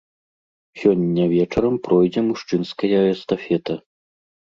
Сёння вечарам пройдзе мужчынская эстафета.